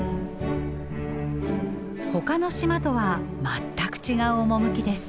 ほかの島とは全く違う趣です。